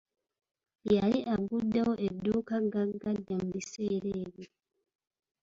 Yali aguddewo edduuka gaggade mu biseera ebyo.